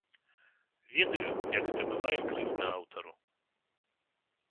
Ведаю, як гэта бывае крыўдна аўтару.